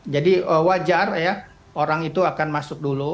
jadi wajar ya orang itu akan masuk dulu